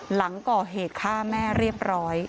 หลังก่อเหตุฆ่าแม่เรียบร้อย